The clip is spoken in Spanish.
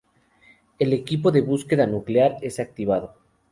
El equipo de búsqueda nuclear es activado.